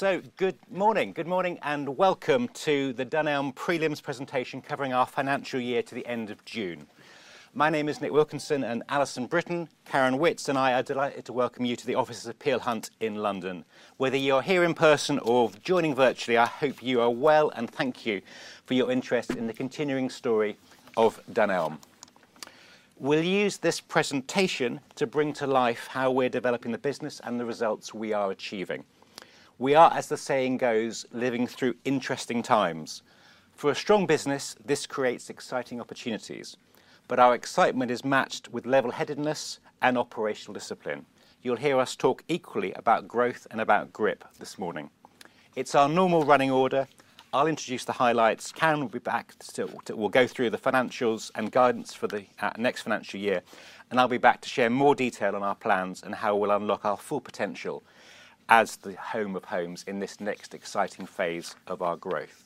So good morning. Good morning, and welcome to the Dunelm Prelims presentation covering our financial year to the end of June. My name is Nick Wilkinson, and Alison Brittain, Karen Witts, and I are delighted to welcome you to the offices of Peel Hunt in London. Whether you're here in person or joining virtually, I hope you are well, and thank you for your interest in the continuing story of Dunelm. We'll use this presentation to bring to life how we're developing the business and the results we are achieving. We are, as the saying goes, living through interesting times. For a strong business, this creates exciting opportunities, but our excitement is matched with level-headedness and operational discipline. You'll hear us talk equally about growth and about grip this morning. It's our normal running order. I'll introduce the highlights. Karen will be back to... We'll go through the financials and guidance for the next financial year, and I'll be back to share more detail on our plans and how we'll unlock our full potential as the Home of homes in this next exciting phase of our growth.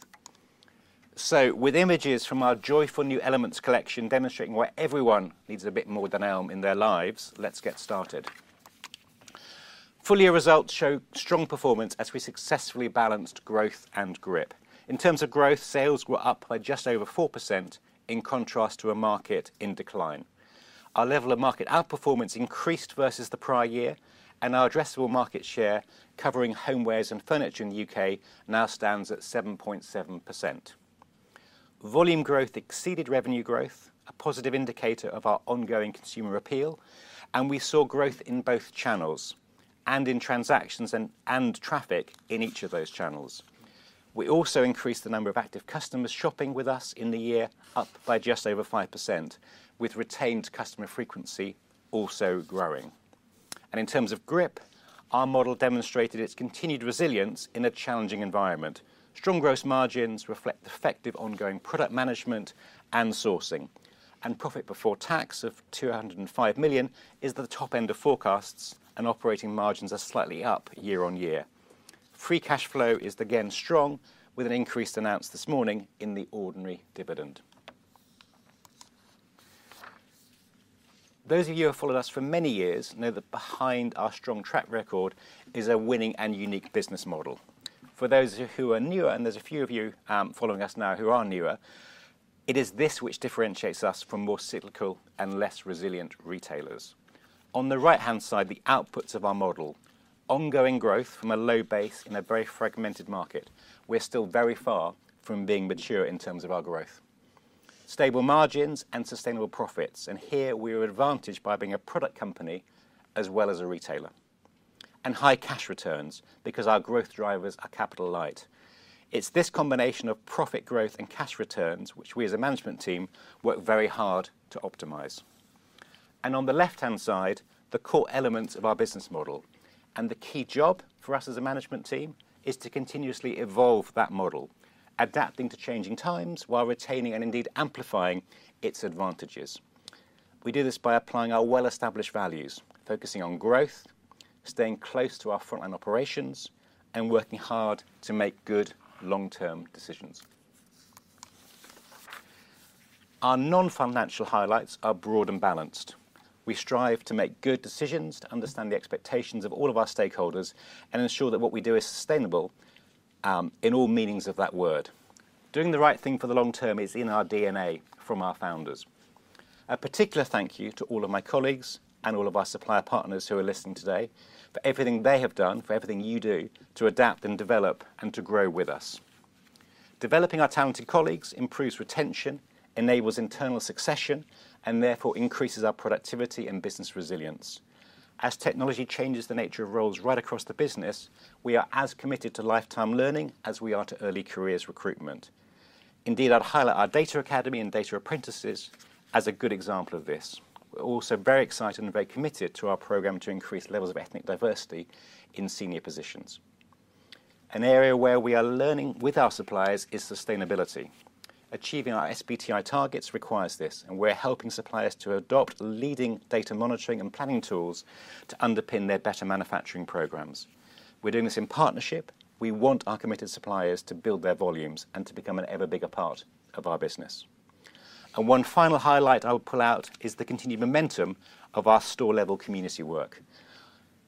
With images from our joyful new Elements collection demonstrating why everyone needs a bit more Dunelm in their lives, let's get started. Full-year results show strong performance as we successfully balanced growth and grip. In terms of growth, sales were up by just over 4% in contrast to a market in decline. Our level of market outperformance increased versus the prior year, and our addressable market share, covering homewares and furniture in the U.K., now stands at 7.7%. Volume growth exceeded revenue growth, a positive indicator of our ongoing consumer appeal, and we saw growth in both channels and in transactions and traffic in each of those channels. We also increased the number of active customers shopping with us in the year, up by just over 5%, with retained customer frequency also growing. And in terms of grip, our model demonstrated its continued resilience in a challenging environment. Strong gross margins reflect effective ongoing product management and sourcing. And profit before tax of 205 million is the top end of forecasts, and operating margins are slightly up year on year. Free cash flow is again strong, with an increase announced this morning in the ordinary dividend. Those of you who have followed us for many years know that behind our strong track record is a winning and unique business model. For those of you who are newer, and there's a few of you, following us now who are newer, it is this which differentiates us from more cyclical and less resilient retailers. On the right-hand side, the outputs of our model, ongoing growth from a low base in a very fragmented market. We're still very far from being mature in terms of our growth. Stable margins and sustainable profits, and here we are advantaged by being a product company as well as a retailer. And high cash returns, because our growth drivers are capital light. It's this combination of profit growth and cash returns, which we as a management team work very hard to optimize. On the left-hand side, the core elements of our business model, and the key job for us as a management team, is to continuously evolve that model, adapting to changing times while retaining and indeed amplifying its advantages. We do this by applying our well-established values, focusing on growth, staying close to our frontline operations, and working hard to make good long-term decisions. Our non-financial highlights are broad and balanced. We strive to make good decisions, to understand the expectations of all of our stakeholders, and ensure that what we do is sustainable in all meanings of that word. Doing the right thing for the long term is in our DNA from our founders. A particular thank you to all of my colleagues and all of our supplier partners who are listening today, for everything they have done, for everything you do, to adapt and develop and to grow with us. Developing our talented colleagues improves retention, enables internal succession, and therefore increases our productivity and business resilience. As technology changes the nature of roles right across the business, we are as committed to lifetime learning as we are to early careers recruitment. Indeed, I'd highlight our data academy and data apprentices as a good example of this. We're also very excited and very committed to our program to increase levels of ethnic diversity in senior positions. An area where we are learning with our suppliers is sustainability. Achieving our SBTi targets requires this, and we're helping suppliers to adopt leading data monitoring and planning tools to underpin their better manufacturing programs. We're doing this in partnership. We want our committed suppliers to build their volumes and to become an ever bigger part of our business and one final highlight I would pull out is the continued momentum of our store-level community work.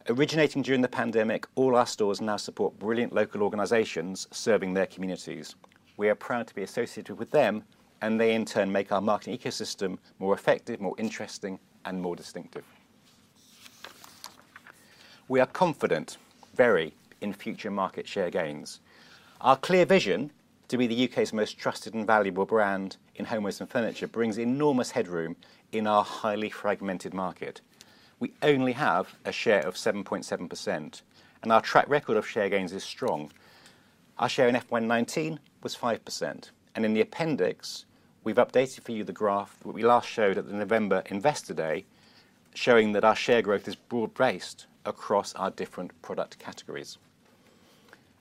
Originating during the pandemic, all our stores now support brilliant local organizations serving their communities. We are proud to be associated with them, and they in turn make our marketing ecosystem more effective, more interesting, and more distinctive. We are confident, very, in future market share gains. Our clear vision to be the U.K.'s most trusted and valuable brand in homewares and furniture brings enormous headroom in our highly fragmented market. We only have a share of 7.7%, and our track record of share gains is strong. Our share in FY19 was 5%, and in the appendix, we've updated for you the graph that we last showed at the November Investor Day, showing that our share growth is broad-based across our different product categories.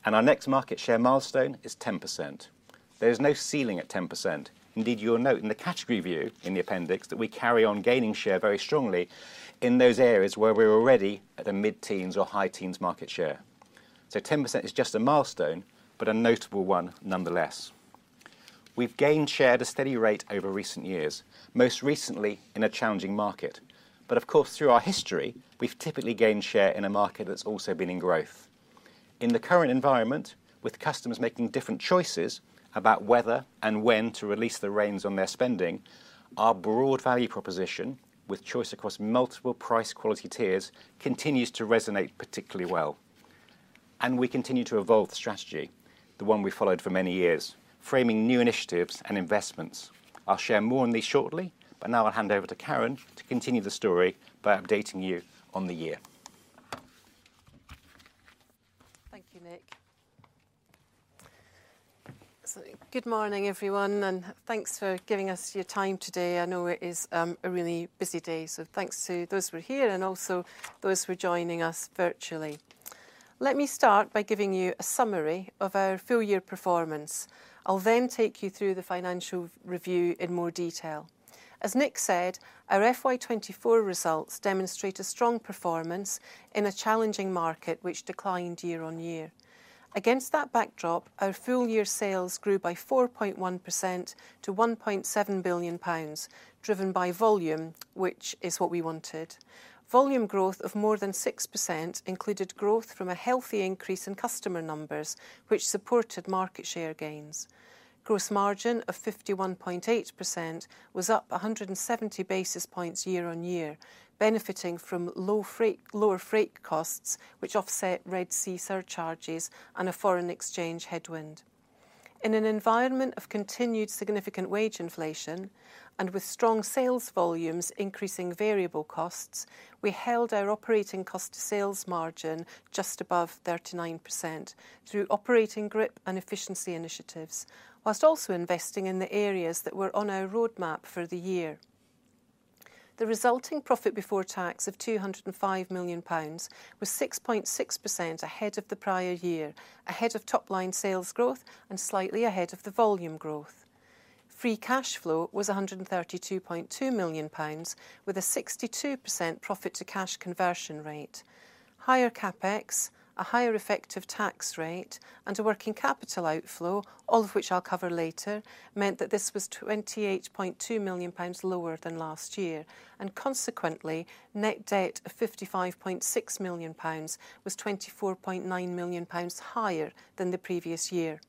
And our next market share milestone is 10%. There is no ceiling at 10%. Indeed, you will note in the category view in the appendix that we carry on gaining share very strongly in those areas where we're already at the mid-teens or high-teens market share. So 10% is just a milestone, but a notable one nonetheless…. We've gained share at a steady rate over recent years, most recently in a challenging market. But of course, through our history, we've typically gained share in a market that's also been in growth. In the current environment, with customers making different choices about whether and when to release the reins on their spending, our broad value proposition, with choice across multiple price quality tiers, continues to resonate particularly well. And we continue to evolve the strategy, the one we followed for many years, framing new initiatives and investments. I'll share more on these shortly, but now I'll hand over to Karen to continue the story by updating you on the year. Thank you, Nick. So good morning, everyone, and thanks for giving us your time today. I know it is a really busy day, so thanks to those who are here and also those who are joining us virtually. Let me start by giving you a summary of our full year performance. I'll then take you through the financial review in more detail. As Nick said, our FY 2024 results demonstrate a strong performance in a challenging market, which declined year on year. Against that backdrop, our full year sales grew by 4.1% to 1.7 billion pounds, driven by volume, which is what we wanted. Volume growth of more than 6% included growth from a healthy increase in customer numbers, which supported market share gains. Gross margin of 51.8% was up 170 basis points year-on-year, benefiting from lower freight costs, which offset Red Sea surcharges and a foreign exchange headwind. In an environment of continued significant wage inflation and with strong sales volumes increasing variable costs, we held our operating cost to sales margin just above 39% through operating grip and efficiency initiatives, whilst also investing in the areas that were on our roadmap for the year. The resulting profit before tax of 205 million pounds was 6.6% ahead of the prior year, ahead of top line sales growth and slightly ahead of the volume growth. Free cash flow was GBP 132.2 million, with a 62% profit to cash conversion rate. Higher CapEx, a higher effective tax rate, and a working capital outflow, all of which I'll cover later, meant that this was 28.2 million pounds lower than last year, and consequently, net debt of 55.6 million pounds was 24.9 million pounds higher than the previous year.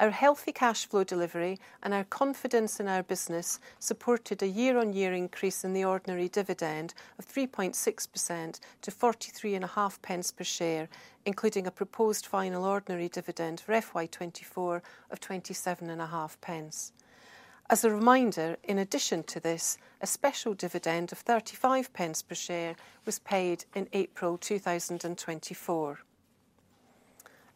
Our healthy cash flow delivery and our confidence in our business supported a year-on-year increase in the ordinary dividend of 3.6% to 43.5 pence per share, including a proposed final ordinary dividend for FY 2024 of 27.5 pence. As a reminder, in addition to this, a special dividend of 35 pence per share was paid in April 2024.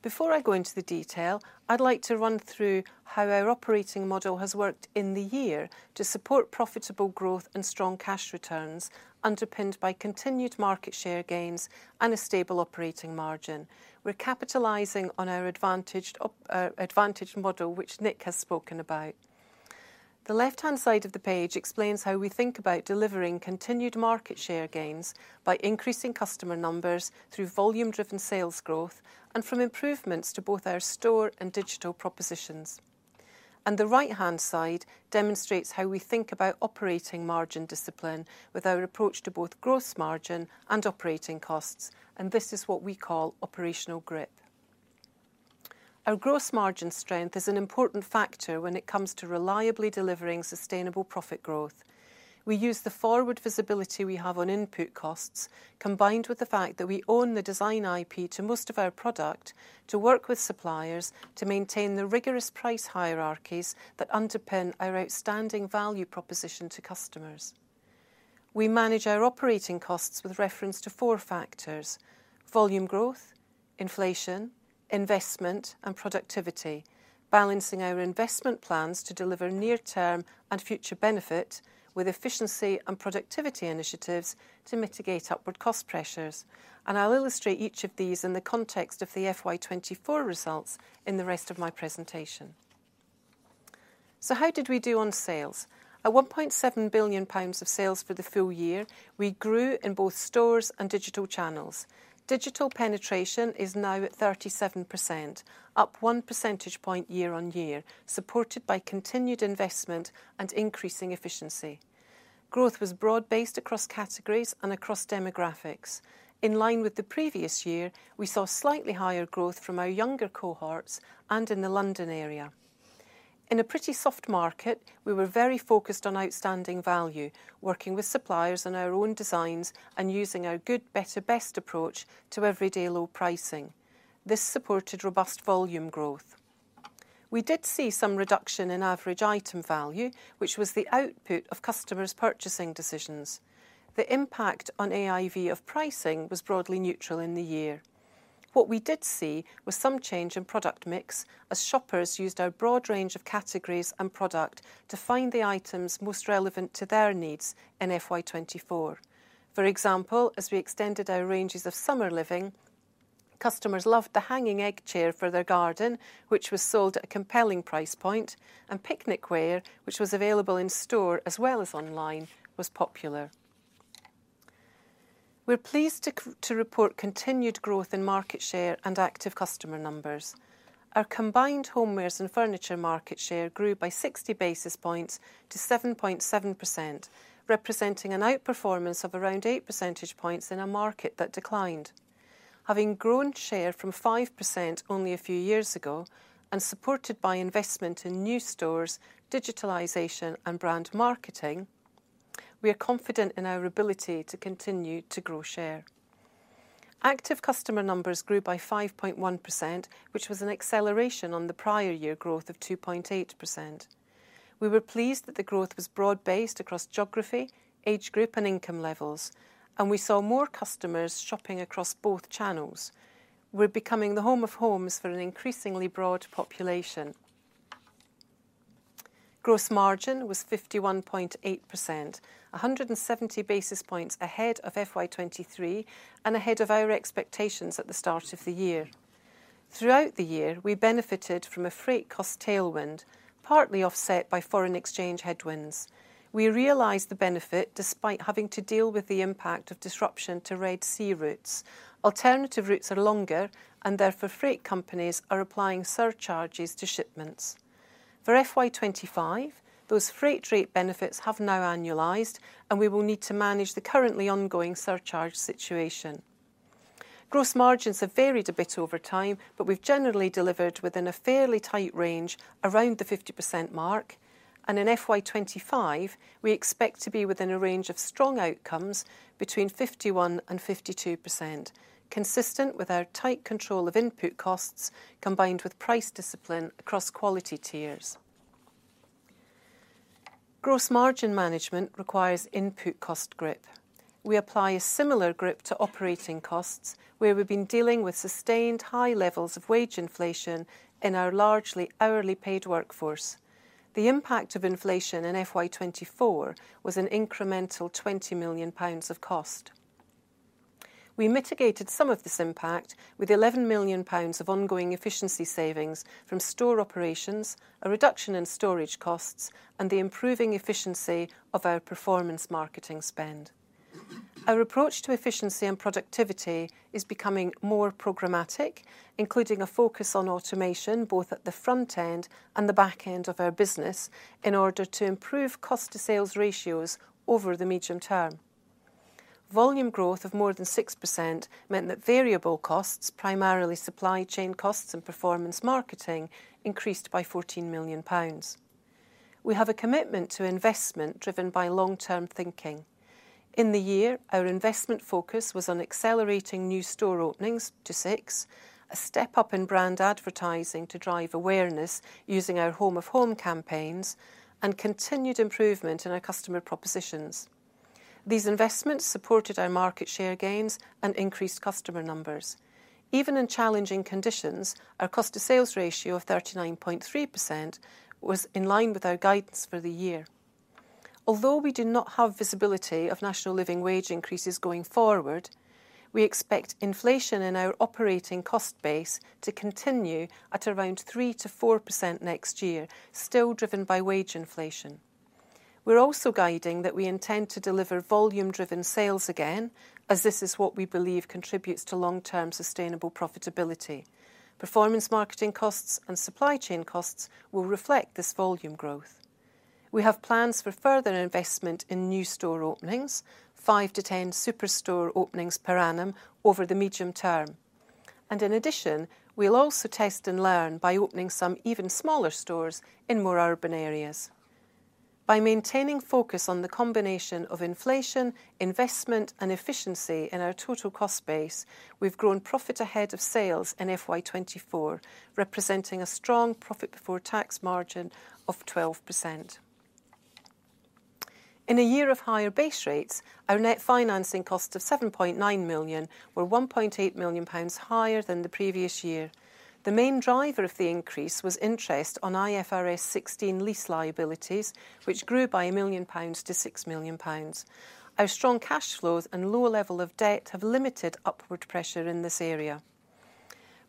Before I go into the detail, I'd like to run through how our operating model has worked in the year to support profitable growth and strong cash returns, underpinned by continued market share gains and a stable operating margin. We're capitalizing on our advantaged advantage model, which Nick has spoken about. The left-hand side of the page explains how we think about delivering continued market share gains by increasing customer numbers through volume-driven sales growth and from improvements to both our store and digital propositions. And the right-hand side demonstrates how we think about operating margin discipline with our approach to both gross margin and operating costs, and this is what we call operational grip. Our gross margin strength is an important factor when it comes to reliably delivering sustainable profit growth. We use the forward visibility we have on input costs, combined with the fact that we own the design IP to most of our product, to work with suppliers to maintain the rigorous price hierarchies that underpin our outstanding value proposition to customers. We manage our operating costs with reference to four factors: volume growth, inflation, investment, and productivity, balancing our investment plans to deliver near-term and future benefit with efficiency and productivity initiatives to mitigate upward cost pressures, and I'll illustrate each of these in the context of the FY 2024 results in the rest of my presentation, so how did we do on sales? At 1.7 billion pounds of sales for the full year, we grew in both stores and digital channels. Digital penetration is now at 37%, up one percentage point year-on-year, supported by continued investment and increasing efficiency. Growth was broad-based across categories and across demographics. In line with the previous year, we saw slightly higher growth from our younger cohorts and in the London area. In a pretty soft market, we were very focused on outstanding value, working with suppliers on our own designs and using our good, better, best approach to everyday low pricing. This supported robust volume growth. We did see some reduction in average item value, which was the output of customers' purchasing decisions. The impact on AIV of pricing was broadly neutral in the year. What we did see was some change in product mix as shoppers used our broad range of categories and product to find the items most relevant to their needs in FY 2024. For example, as we extended our ranges of summer living, customers loved the hanging egg chair for their garden, which was sold at a compelling price point, and picnic wear, which was available in store as well as online, was popular.... We're pleased to report continued growth in market share and active customer numbers. Our combined homewares and furniture market share grew by sixty basis points to 7.7%, representing an outperformance of around eight percentage points in a market that declined. Having grown share from 5% only a few years ago, and supported by investment in new stores, digitalization, and brand marketing, we are confident in our ability to continue to grow share. Active customer numbers grew by 5.1%, which was an acceleration on the prior year growth of 2.8%. We were pleased that the growth was broad-based across geography, age group, and income levels, and we saw more customers shopping across both channels. We're becoming the home of homes for an increasingly broad population. Gross margin was 51.8%, 170 basis points ahead of FY 2023 and ahead of our expectations at the start of the year. Throughout the year, we benefited from a freight cost tailwind, partly offset by foreign exchange headwinds. We realized the benefit despite having to deal with the impact of disruption to Red Sea routes. Alternative routes are longer, and therefore, freight companies are applying surcharges to shipments. For FY 2025, those freight rate benefits have now annualized, and we will need to manage the currently ongoing surcharge situation. Gross margins have varied a bit over time, but we've generally delivered within a fairly tight range around the 50% mark, and in FY 2025, we expect to be within a range of strong outcomes between 51% and 52%, consistent with our tight control of input costs, combined with price discipline across quality tiers. Gross margin management requires input cost grip. We apply a similar grip to operating costs, where we've been dealing with sustained high levels of wage inflation in our largely hourly paid workforce. The impact of inflation in FY 2024 was an incremental 20 million pounds of cost. We mitigated some of this impact with 11 million pounds of ongoing efficiency savings from store operations, a reduction in storage costs, and the improving efficiency of our performance marketing spend. Our approach to efficiency and productivity is becoming more programmatic, including a focus on automation, both at the front end and the back end of our business, in order to improve cost-to-sales ratios over the medium term. Volume growth of more than 6% meant that variable costs, primarily supply chain costs and performance marketing, increased by 14 million pounds. We have a commitment to investment driven by long-term thinking. In the year, our investment focus was on accelerating new store openings to six, a step up in brand advertising to drive awareness using our Home of Home campaigns, and continued improvement in our customer propositions. These investments supported our market share gains and increased customer numbers. Even in challenging conditions, our cost to sales ratio of 39.3% was in line with our guidance for the year. Although we do not have visibility of national living wage increases going forward, we expect inflation in our operating cost base to continue at around 3%-4% next year, still driven by wage inflation. We're also guiding that we intend to deliver volume-driven sales again, as this is what we believe contributes to long-term sustainable profitability. Performance marketing costs and supply chain costs will reflect this volume growth. We have plans for further investment in new store openings, 5-10 superstore openings per annum over the medium term. And in addition, we'll also test and learn by opening some even smaller stores in more urban areas. By maintaining focus on the combination of inflation, investment, and efficiency in our total cost base, we've grown profit ahead of sales in FY 2024, representing a strong profit before tax margin of 12%. In a year of higher base rates, our net financing cost of 7.9 million were 1.8 million pounds higher than the previous year. The main driver of the increase was interest on IFRS 16 lease liabilities, which grew by 1 million-6 million pounds. Our strong cash flows and low level of debt have limited upward pressure in this area.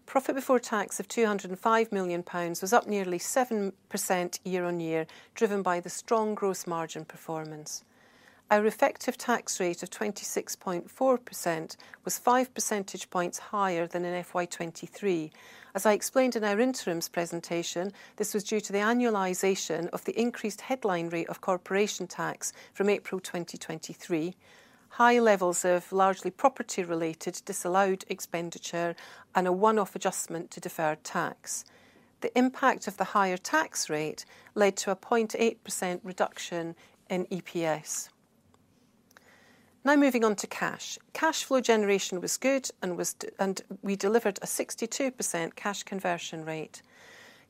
Profit before tax of 205 million pounds was up nearly 7% year-on-year, driven by the strong gross margin performance. Our effective tax rate of 26.4% was five percentage points higher than in FY 2023. As I explained in our interims presentation, this was due to the annualization of the increased headline rate of corporation tax from April 2023, high levels of largely property-related disallowed expenditure, and a one-off adjustment to deferred tax. The impact of the higher tax rate led to a 0.8% reduction in EPS. Now, moving on to cash. Cash flow generation was good and we delivered a 62% cash conversion rate.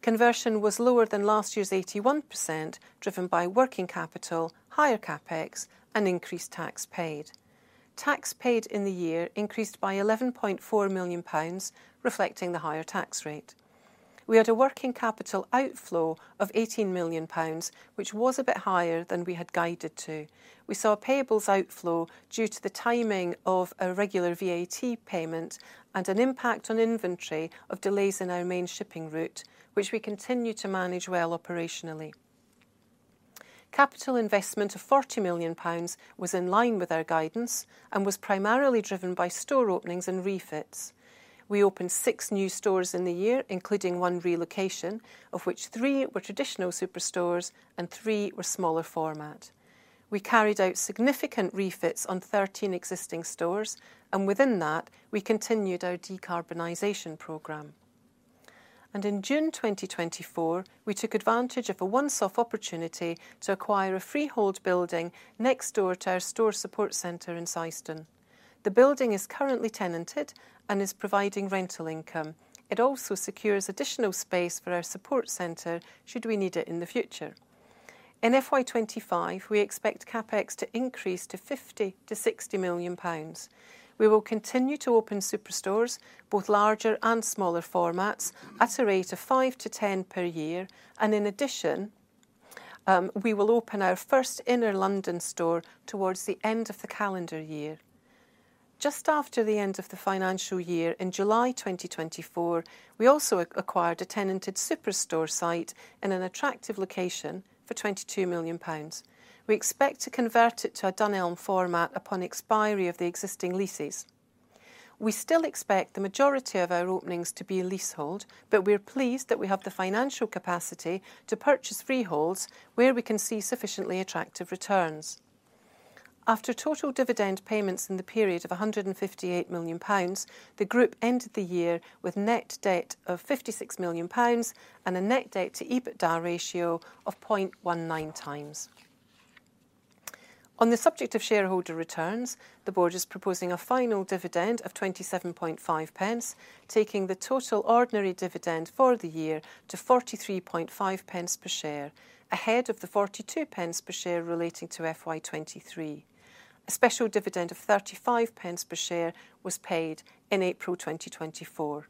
Conversion was lower than last year's 81%, driven by working capital, higher CapEx, and increased tax paid. Tax paid in the year increased by 11.4 million pounds, reflecting the higher tax rate. We had a working capital outflow of 18 million pounds, which was a bit higher than we had guided to. We saw a payables outflow due to the timing of a regular VAT payment and an impact on inventory of delays in our main shipping route, which we continue to manage well operationally. Capital investment of 40 million pounds was in line with our guidance and was primarily driven by store openings and refits. We opened six new stores in the year, including one relocation, of which three were traditional superstores and three were smaller format. We carried out significant refits on 13 existing stores, and within that, we continued our decarbonization program. In June 2024, we took advantage of a one-off opportunity to acquire a freehold building next door to our store support center in Syston. The building is currently tenanted and is providing rental income. It also secures additional space for our support center should we need it in the future. In FY 2025, we expect CapEx to increase to 50 million- 60 million pounds. We will continue to open superstores, both larger and smaller formats, at a rate of 5-10 per year, and in addition, we will open our first inner London store towards the end of the calendar year. Just after the end of the financial year, in July 2024, we also acquired a tenanted superstore site in an attractive location for 22 million pounds. We expect to convert it to a Dunelm format upon expiry of the existing leases. We still expect the majority of our openings to be leasehold, but we're pleased that we have the financial capacity to purchase freeholds where we can see sufficiently attractive returns. After total dividend payments in the period of 158 million pounds, the group ended the year with net debt of 56 million pounds and a net debt to EBITDA ratio of 0.19 times. On the subject of shareholder returns, the board is proposing a final dividend of 0.275, taking the total ordinary dividend for the year to 0.435 per share, ahead of the 0.42 per share relating to FY 2023. A special dividend of 0.35 per share was paid in April 2024.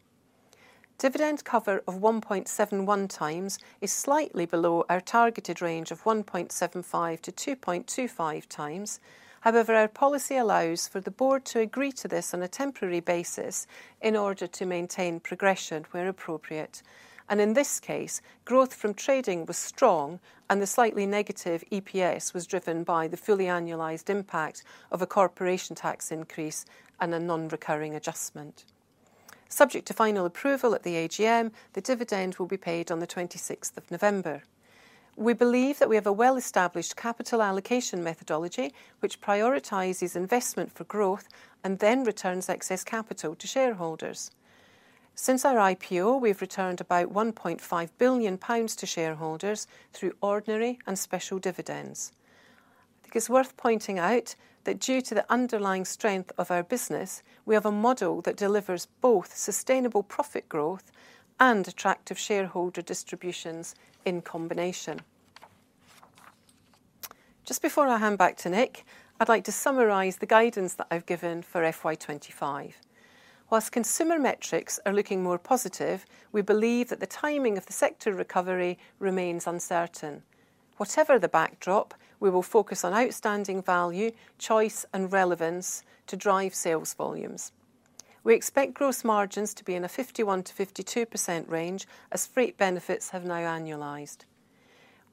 Dividend cover of 1.71 times is slightly below our targeted range of 1.75-2.25 times. However, our policy allows for the board to agree to this on a temporary basis in order to maintain progression where appropriate, and in this case, growth from trading was strong and the slightly negative EPS was driven by the fully annualized impact of a corporation tax increase and a non-recurring adjustment. Subject to final approval at the AGM, the dividend will be paid on the twenty-sixth of November. We believe that we have a well-established capital allocation methodology, which prioritizes investment for growth and then returns excess capital to shareholders. Since our IPO, we've returned about 1.5 billion pounds to shareholders through ordinary and special dividends. I think it's worth pointing out that due to the underlying strength of our business, we have a model that delivers both sustainable profit growth and attractive shareholder distributions in combination. Just before I hand back to Nick, I'd like to summarize the guidance that I've given for FY 2025. Whilst consumer metrics are looking more positive, we believe that the timing of the sector recovery remains uncertain. Whatever the backdrop, we will focus on outstanding value, choice, and relevance to drive sales volumes. We expect gross margins to be in a 51%-52% range, as freight benefits have now annualized.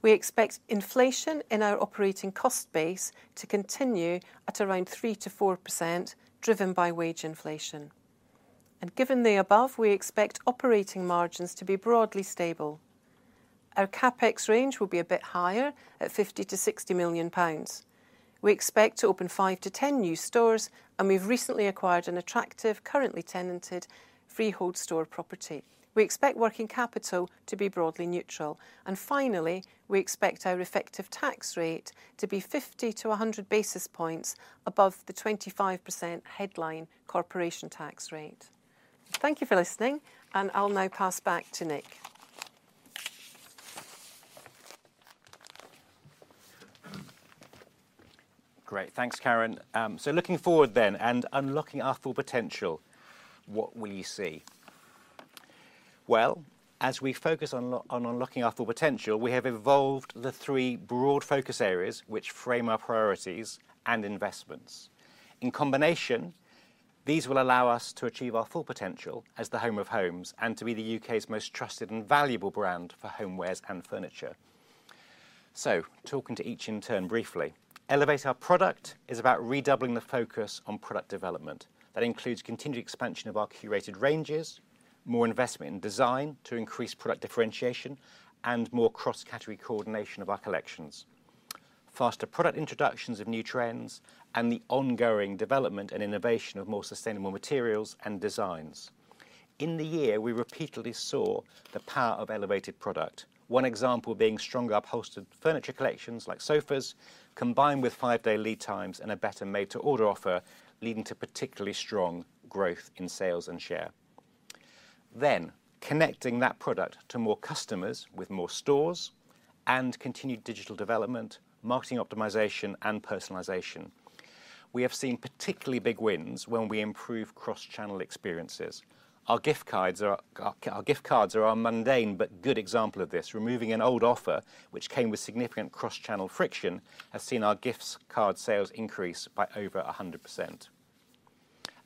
We expect inflation in our operating cost base to continue at around 3%-4%, driven by wage inflation. Given the above, we expect operating margins to be broadly stable. Our CapEx range will be a bit higher at 50 million- 60 million pounds. We expect to open 5-10 new stores, and we've recently acquired an attractive, currently tenanted freehold store property. We expect working capital to be broadly neutral, and finally, we expect our effective tax rate to be 50-100 basis points above the 25% headline corporation tax rate. Thank you for listening, and I'll now pass back to Nick. Great. Thanks, Karen. So looking forward then, and unlocking our full potential, what will you see? Well, as we focus on unlocking our full potential, we have evolved the three broad focus areas which frame our priorities and investments. In combination, these will allow us to achieve our full potential as the home of homes and to be the U.K.'s most trusted and valuable brand for homewares and furniture. So talking to each in turn briefly, elevate our product is about redoubling the focus on product development. That includes continued expansion of our curated ranges, more investment in design to increase product differentiation, and more cross-category coordination of our collections, faster product introductions of new trends, and the ongoing development and innovation of more sustainable materials and designs. In the year, we repeatedly saw the power of elevated product. One example being stronger upholstered furniture collections like sofas, combined with five-day lead times and a better made to order offer, leading to particularly strong growth in sales and share. Then, connecting that product to more customers with more stores and continued digital development, marketing optimization, and personalization. We have seen particularly big wins when we improve cross-channel experiences. Our gift cards are a mundane but good example of this. Removing an old offer, which came with significant cross-channel friction, has seen our gift card sales increase by over 100%.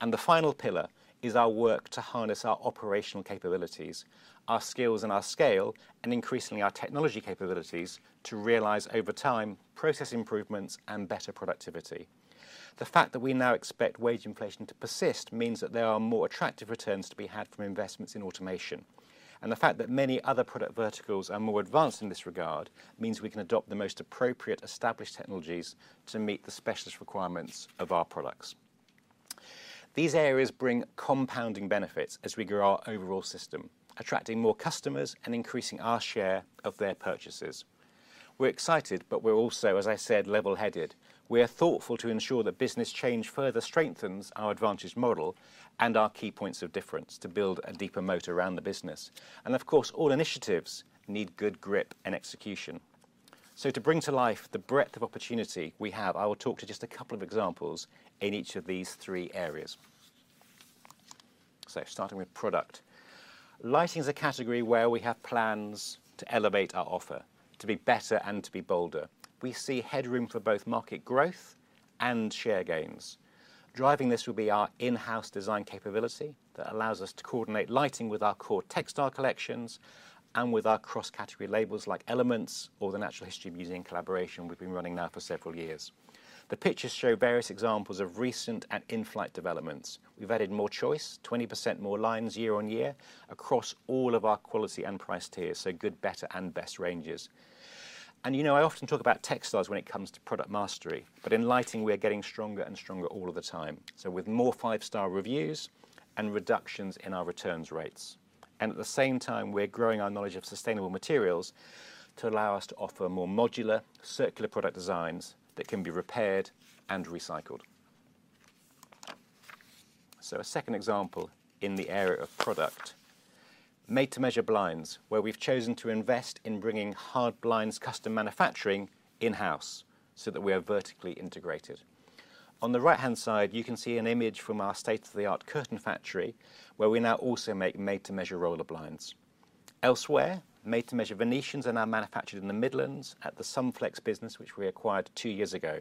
And the final pillar is our work to harness our operational capabilities, our skills and our scale, and increasingly, our technology capabilities to realize over time, process improvements and better productivity. The fact that we now expect wage inflation to persist means that there are more attractive returns to be had from investments in automation. And the fact that many other product verticals are more advanced in this regard, means we can adopt the most appropriate established technologies to meet the specialist requirements of our products. These areas bring compounding benefits as we grow our overall system, attracting more customers and increasing our share of their purchases. We're excited, but we're also, as I said, level-headed. We are thoughtful to ensure that business change further strengthens our advantage model and our key points of difference, to build a deeper moat around the business. And of course, all initiatives need good grip and execution. So to bring to life the breadth of opportunity we have, I will talk to just a couple of examples in each of these three areas. Starting with product. Lighting is a category where we have plans to elevate our offer, to be better and to be bolder. We see headroom for both market growth and share gains. Driving this will be our in-house design capability, that allows us to coordinate lighting with our core textile collections and with our cross-category labels like Elements or the Natural History Museum collaboration we've been running now for several years. The pictures show various examples of recent and in-flight developments. We've added more choice, 20% more lines year-on-year, across all of our quality and price tiers, so good, better, and best ranges. And, you know, I often talk about textiles when it comes to product mastery, but in lighting, we are getting stronger and stronger all of the time. With more five-star reviews and reductions in our returns rates. At the same time, we're growing our knowledge of sustainable materials to allow us to offer more modular, circular product designs that can be repaired and recycled. A second example in the area of product, made-to-measure blinds, where we've chosen to invest in bringing hard blinds custom manufacturing in-house so that we are vertically integrated. On the right-hand side, you can see an image from our state-of-the-art curtain factory, where we now also make made-to-measure roller blinds. Elsewhere, made-to-measure venetians are now manufactured in the Midlands at the Sunflex business, which we acquired two years ago,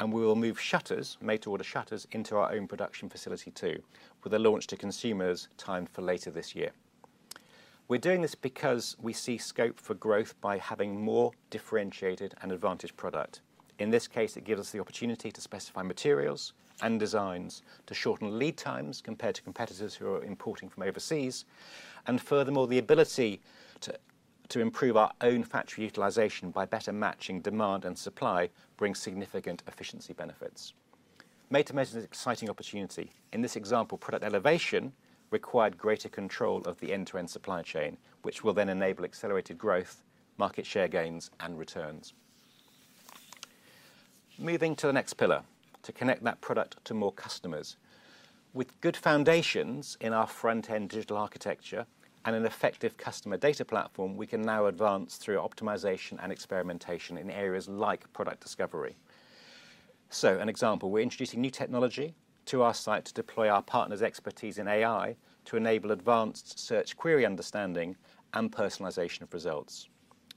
and we will move shutters, made-to-order shutters into our own production facility, too, with a launch to consumers timed for later this year. We're doing this because we see scope for growth by having more differentiated and advantaged product. In this case, it gives us the opportunity to specify materials and designs to shorten lead times compared to competitors who are importing from overseas, and furthermore, the ability to improve our own factory utilization by better matching demand and supply brings significant efficiency benefits. Made-to-measure is an exciting opportunity. In this example, product elevation required greater control of the end-to-end supply chain, which will then enable accelerated growth, market share gains, and returns. Moving to the next pillar, to connect that product to more customers. With good foundations in our front-end digital architecture and an effective customer data platform, we can now advance through optimization and experimentation in areas like product discovery. So an example, we're introducing new technology to our site to deploy our partner's expertise in AI to enable advanced search query understanding and personalization of results.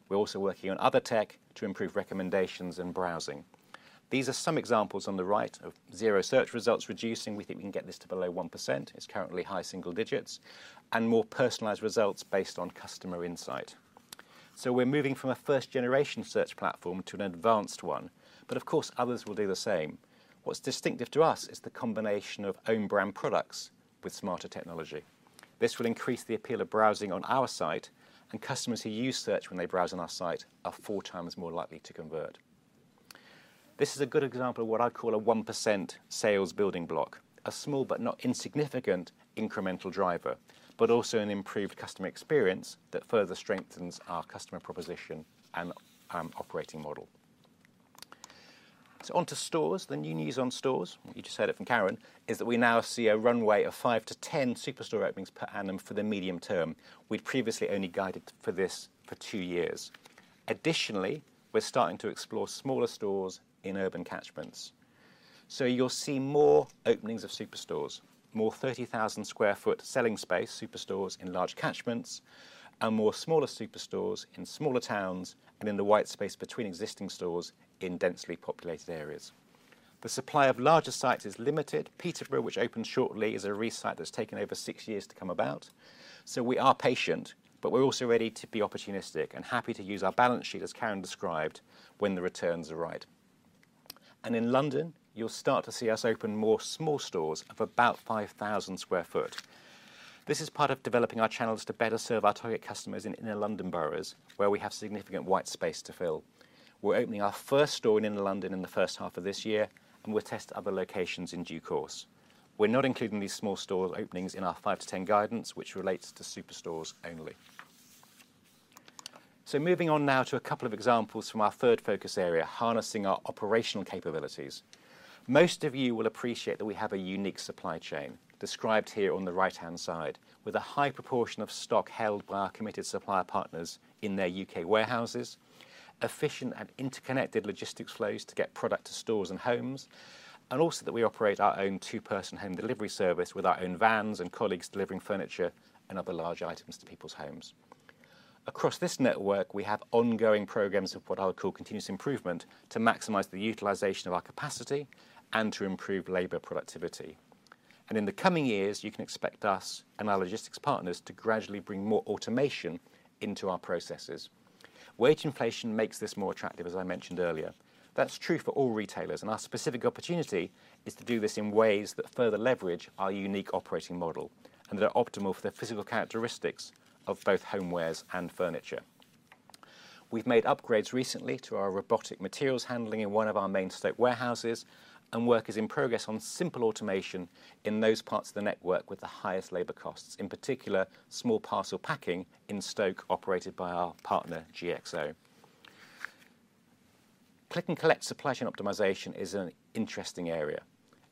We're also working on other tech to improve recommendations and browsing. These are some examples on the right of zero search results reducing. We think we can get this to below 1%. It's currently high single digits, and more personalized results based on customer insight. So we're moving from a first-generation search platform to an advanced one, but of course, others will do the same. What's distinctive to us is the combination of own brand products with smarter technology. This will increase the appeal of browsing on our site, and customers who use search when they browse on our site are four times more likely to convert. This is a good example of what I call a 1% sales building block, a small but not insignificant incremental driver, but also an improved customer experience that further strengthens our customer proposition and operating model. So onto stores. The new news on stores, you just heard it from Karen, is that we now see a runway of five to 10 superstore openings per annum for the medium term. We'd previously only guided for this for two years. Additionally, we're starting to explore smaller stores in urban catchments. So you'll see more openings of superstores, more 30,000 sq ft selling space, superstores in large catchments, and more smaller superstores in smaller towns and in the white space between existing stores in densely populated areas. The supply of larger sites is limited. Peterborough, which opened shortly, is a resite that's taken over six years to come about, so we are patient, but we're also ready to be opportunistic and happy to use our balance sheet, as Karen described, when the returns are right. In London, you'll start to see us open more small stores of about 5,000 sq ft. This is part of developing our channels to better serve our target customers in inner London boroughs, where we have significant white space to fill. We're opening our first store in inner London in the first half of this year, and we'll test other locations in due course. We're not including these small store openings in our 5 to 10 guidance, which relates to super stores only. Moving on now to a couple of examples from our third focus area, harnessing our operational capabilities. Most of you will appreciate that we have a unique supply chain, described here on the right-hand side, with a high proportion of stock held by our committed supplier partners in their U.K. warehouses, efficient and interconnected logistics flows to get product to stores and homes, and also that we operate our own two-person home delivery service with our own vans and colleagues delivering furniture and other large items to people's homes. Across this network, we have ongoing programs of what I would call continuous improvement, to maximize the utilization of our capacity and to improve labor productivity, and in the coming years, you can expect us and our logistics partners to gradually bring more automation into our processes. Wage inflation makes this more attractive, as I mentioned earlier. That's true for all retailers, and our specific opportunity is to do this in ways that further leverage our unique operating model and that are optimal for the physical characteristics of both homewares and furniture. We've made upgrades recently to our robotic materials handling in one of our main site warehouses, and work is in progress on simple automation in those parts of the network with the highest labor costs, in particular, small parcel packing in Stoke, operated by our partner, GXO. Click and collect supply chain optimization is an interesting area.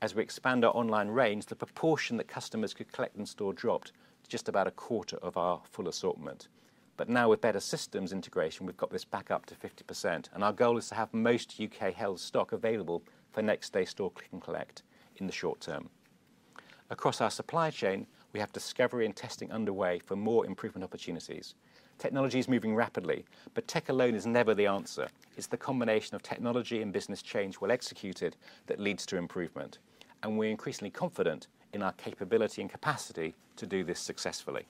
As we expand our online range, the proportion that customers could collect in store dropped to just about a quarter of our full assortment. But now with better systems integration, we've got this back up to 50%, and our goal is to have most UK-held stock available for next-day store click and collect in the short term. Across our supply chain, we have discovery and testing underway for more improvement opportunities. Technology is moving rapidly, but tech alone is never the answer. It's the combination of technology and business change, well executed, that leads to improvement, and we're increasingly confident in our capability and capacity to do this successfully.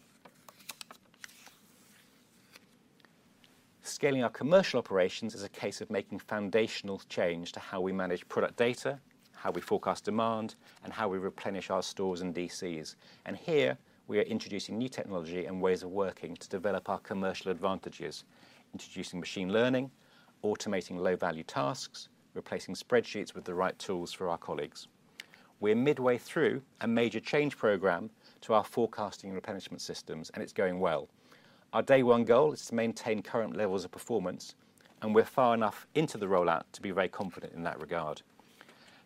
Scaling our commercial operations is a case of making foundational change to how we manage product data, how we forecast demand, and how we replenish our stores and DCs. And here we are introducing new technology and ways of working to develop our commercial advantages, introducing machine learning, automating low-value tasks, replacing spreadsheets with the right tools for our colleagues. We're midway through a major change program to our forecasting and replenishment systems, and it's going well. Our day one goal is to maintain current levels of performance, and we're far enough into the rollout to be very confident in that regard.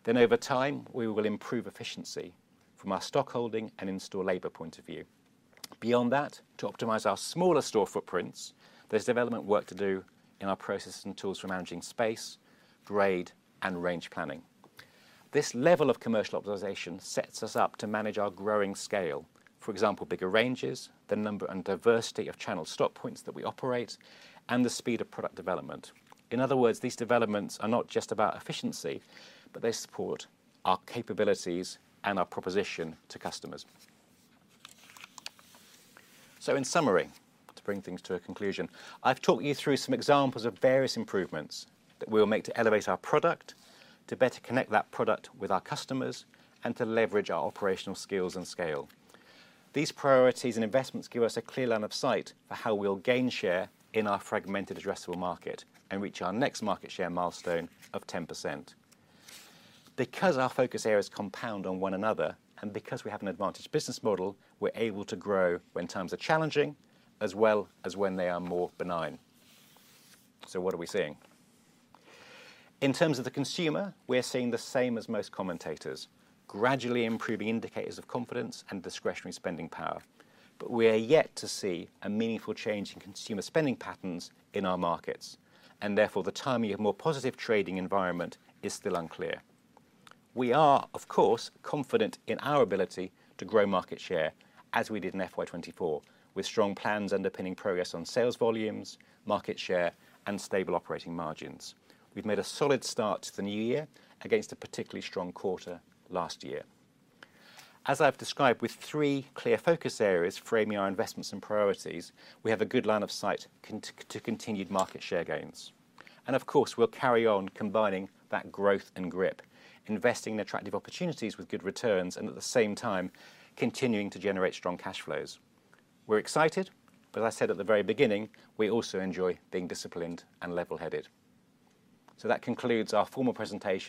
Then over time, we will improve efficiency from our stockholding and in-store labor point of view. Beyond that, to optimize our smaller store footprints, there's development work to do in our processes and tools for managing space, grade, and range planning. This level of commercial optimization sets us up to manage our growing scale. For example, bigger ranges, the number and diversity of channel stock points that we operate, and the speed of product development. In other words, these developments are not just about efficiency, but they support our capabilities and our proposition to customers. So in summary, to bring things to a conclusion, I've talked you through some examples of various improvements that we will make to elevate our product, to better connect that product with our customers, and to leverage our operational skills and scale. These priorities and investments give us a clear line of sight for how we'll gain share in our fragmented addressable market and reach our next market share milestone of 10%. Because our focus areas compound on one another, and because we have an advantage business model, we're able to grow when times are challenging, as well as when they are more benign. So what are we seeing? In terms of the consumer, we are seeing the same as most commentators, gradually improving indicators of confidence and discretionary spending power. But we are yet to see a meaningful change in consumer spending patterns in our markets, and therefore, the timing of more positive trading environment is still unclear. We are, of course, confident in our ability to grow market share, as we did in FY 2024, with strong plans underpinning progress on sales volumes, market share, and stable operating margins. We've made a solid start to the new year against a particularly strong quarter last year. As I've described, with three clear focus areas framing our investments and priorities, we have a good line of sight to continued market share gains, and of course, we'll carry on combining that growth and grip, investing in attractive opportunities with good returns, and at the same time, continuing to generate strong cash flows. We're excited, but as I said at the very beginning, we also enjoy being disciplined and level-headed. So that concludes our formal presentation.